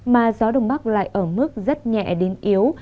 mà gió đông bắc lại ở mức rất nhẹ đến yếu